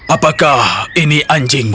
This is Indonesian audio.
apakah ini anjingnya